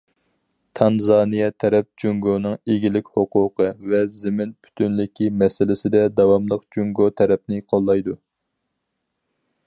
تانزانىيە تەرەپ جۇڭگونىڭ ئىگىلىك ھوقۇقى ۋە زېمىن پۈتۈنلۈكى مەسىلىسىدە داۋاملىق جۇڭگو تەرەپنى قوللايدۇ.